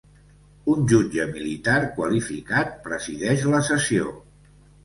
Un jutge militar qualificat presideix la sessió.